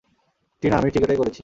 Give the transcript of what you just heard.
টিনা, আমি ঠিক এটাই করেছি।